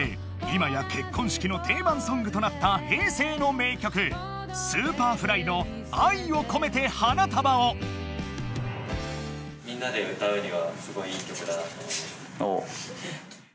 今や結婚式の定番ソングとなった平成の名曲Ｓｕｐｅｒｆｌｙの「愛をこめて花束を」だなって思います